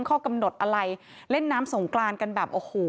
ข้อกำหนดอะไรเล่นน้ำสงกรานกันแบบโอ้โห